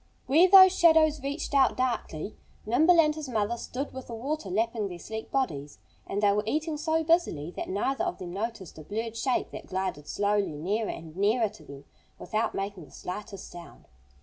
Where those shadows reached out darkly Nimble and his mother stood with the water lapping their sleek bodies. And they were eating so busily that neither of them noticed a blurred shape that glided slowly nearer and nearer to them, without making the slightest sound.